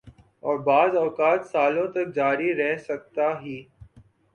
اوربعض اوقات سالوں تک جاری رہ سکتا ہی۔